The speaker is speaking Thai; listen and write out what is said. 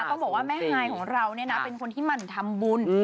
ต้องบอกว่าแม่ฮายของเราเนี่ยนะเป็นคนที่หมั่นทำบุญ